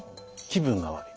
気分が悪い。